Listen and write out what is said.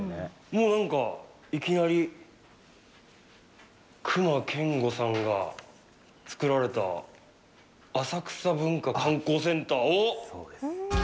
もうなんか、いきなり、隈研吾さんが作られた、浅草文化観光センター。